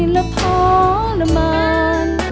และพอละมาน